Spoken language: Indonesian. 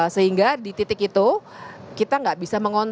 sehingga di titik itu kita gak bisa mengontrol lagi